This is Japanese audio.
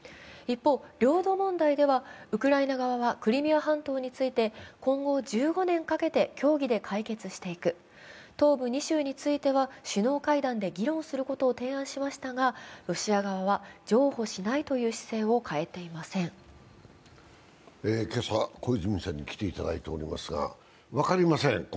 一方、領土問題ではウクライナ側はクリミア半島について今後１５年かけて協議で解決していく、東部２州については首脳会談で議論することを提案しましたがロシア側は、譲歩しないという姿勢を変えていません。